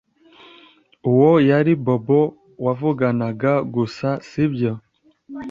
Uwo yari Bobo wavuganaga gusa, sibyo?